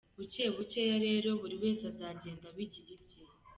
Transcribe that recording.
Bukebukeya rero, buri wese azagenda abigira ibye.